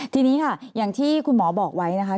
ทีนี้ค่ะอย่างที่คุณหมอบอกไว้นะคะ